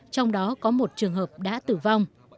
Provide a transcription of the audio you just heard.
trong đó có một trường hợp đã tử vong